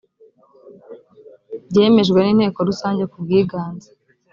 byemejwe n inteko rusange ku bwiganze